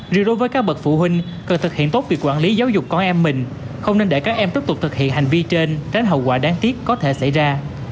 riêng đối với các bậc phụ huynh cần thực hiện tốt việc quản lý giáo dục con em mình không nên để các em tiếp tục thực hiện hành vi trên tránh hậu quả đáng tiếc có thể xảy ra